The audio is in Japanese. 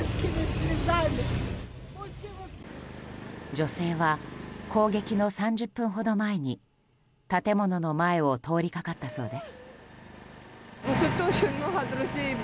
女性は攻撃の３０分ほど前に建物の前を通りかかったそうです。